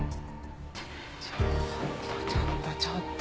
ちょーっとちょっとちょっと。